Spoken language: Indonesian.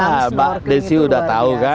nah mbak desi sudah tahu kan